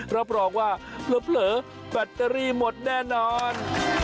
รับรองว่าเผลอแบตเตอรี่หมดแน่นอน